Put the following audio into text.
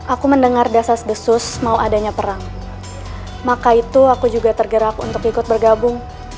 aku mendengar desas desus mau adanya perang maka itu aku juga tergerak untuk ikut bergabung